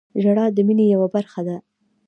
• ژړا د مینې یوه برخه ده.